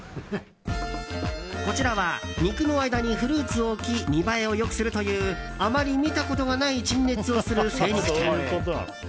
こちらは肉の間にフルーツを置き見栄えをよくするというあまり見たことがない陳列をする精肉店。